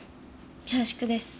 恐縮です。